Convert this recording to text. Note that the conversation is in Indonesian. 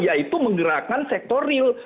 yaitu menggerakkan sektor real